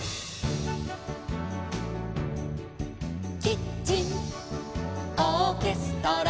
「キッチンオーケストラ」